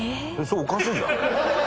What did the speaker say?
それおかしいじゃん！